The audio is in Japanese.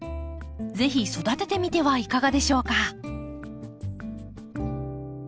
ぜひ育ててみてはいかがでしょうか？